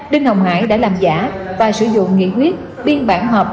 đinh hồng hải đã làm giả và sử dụng nghị quyết biên bản họp